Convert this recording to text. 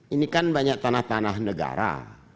ini kan banyak tanah tanah negara